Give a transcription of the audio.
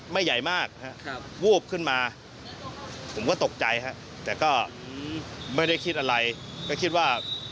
ไปดูจุดที่๓กันค่ะ